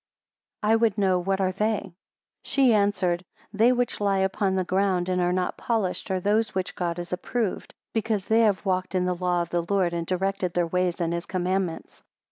I would know what are they. 56 She answered, They which lie upon the ground and are not polished, are those which God has approved, because they have walked in I the law of the Lord, and directed their ways in his commandments.